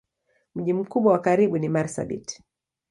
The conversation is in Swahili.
Mji mkubwa wa karibu ni Marsabit.